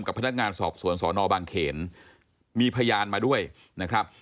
พนักงานสอบสวนสอนอบางเขนมีพยานมาด้วยนะครับ